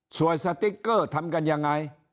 สติ๊กเกอร์ทำกันยังไง